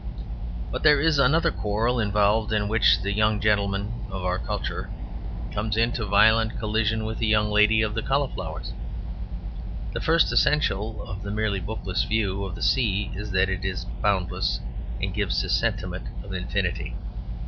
But there is another quarrel involved in which the young gentleman of culture comes into violent collision with the young lady of the cauliflowers. The first essential of the merely bookish view of the sea is that it is boundless, and gives a sentiment of infinity.